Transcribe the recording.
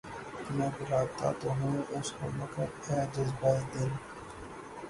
میں بلاتا تو ہوں اس کو مگر اے جذبہ ِ دل